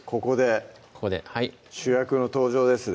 ここで主役の登場ですね